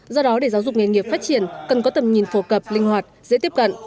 do đó để giáo dục nghề nghiệp phát triển cần có tầm nhìn phổ cập linh hoạt dễ tiếp cận